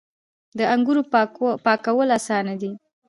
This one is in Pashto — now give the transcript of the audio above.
د انګورو پاکول اسانه دي.